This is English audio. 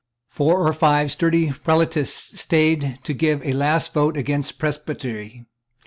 Four or five sturdy Prelatists staid to give a last vote against Presbytery.